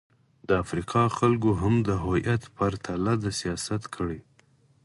د افریقا خلکو هم د هویت پر تله د سیاست کړې.